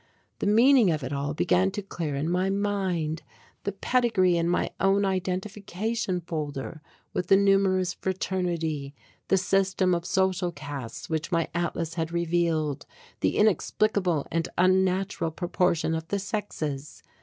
The meaning of it all began to clear in my mind the pedigree in my own identification folder with the numerous fraternity, the system of social castes which my atlas had revealed, the inexplicable and unnatural proportion of the sexes.